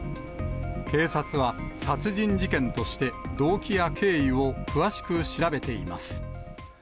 警察は殺人事件として動機や経緯を詳しく調べています。